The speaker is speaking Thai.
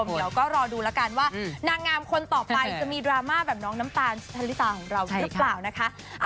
เดี๋ยวก็รอดูแล้วกันว่านางงามคนต่อไปจะมีดราม่าแบบน้องน้ำตาลทะลิตาของเราหรือเปล่านะคะ